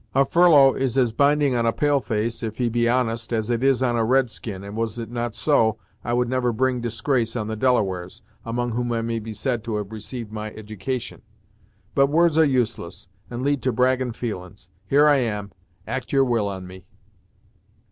A furlough is as binding on a pale face, if he be honest, as it is on a red skin, and was it not so, I would never bring disgrace on the Delawares, among whom I may be said to have received my edication. But words are useless, and lead to braggin' feelin's; here I am; act your will on me."